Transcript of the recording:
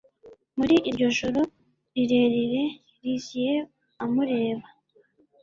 Muri iryo joro rirerire Lizzie amureba